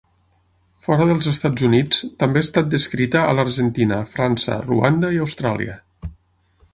Fora dels Estats Units també ha estat descrita a l'Argentina, França, Ruanda i Austràlia.